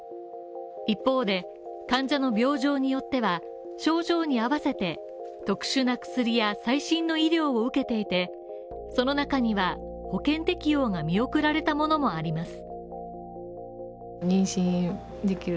一方で、患者の病状によっては症状に合わせて特殊な薬や最新の医療を受けていて、その中には保険適用が見送られたものもあります。